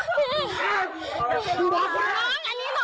พี่